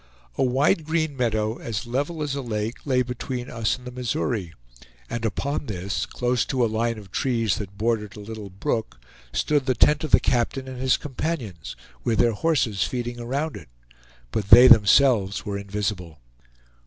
A wide green meadow, as level as a lake, lay between us and the Missouri, and upon this, close to a line of trees that bordered a little brook, stood the tent of the captain and his companions, with their horses feeding around it, but they themselves were invisible.